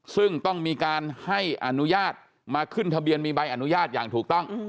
ซึ่งต้องมีการให้อนุญาตมาขึ้นทะเบียนมีใบอนุญาตอย่างถูกต้อง